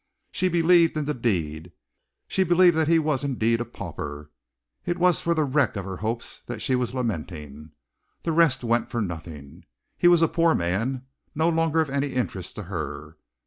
She believed in the deed. She believed that he was indeed a pauper. It was for the wreck of her hopes that she was lamenting. The rest went for nothing. He was a poor man no longer of any interest to her!